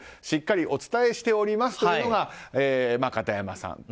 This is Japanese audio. しっかりお伝えしておりますというのが片山さん。